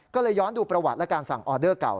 ก็เลยย้อนดูประวัติและการสั่งออเดอร์เก่า